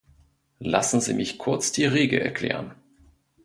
Lassen Sie mich kurz die Regel erklären.